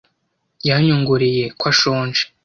Yanyongoreye ko ashonje.